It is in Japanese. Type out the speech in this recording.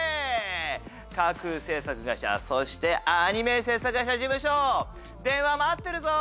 各制作会社そしてアニメ制作会社事務所電話待ってるぞ！